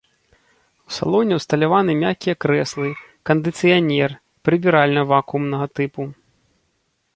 У салоне ўсталяваны мяккія крэслы, кандыцыянер, прыбіральня вакуумнага тыпу.